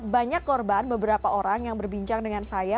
banyak korban beberapa orang yang berbincang dengan saya